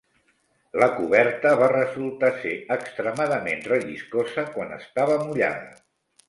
La coberta va resultar ser extremadament relliscosa quan estava mullada.